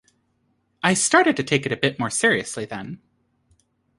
I started to take it a bit more seriously then.